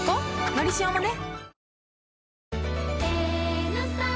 「のりしお」もね